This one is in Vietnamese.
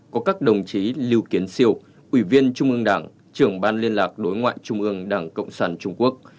có các đồng chí lưu kiến siêu ủy viên trung ương đảng trưởng ban liên lạc đối ngoại trung ương đảng cộng sản trung quốc